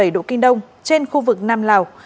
một trăm linh sáu bảy độ kinh đông trên khu vực nam lào